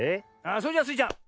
それじゃあスイちゃん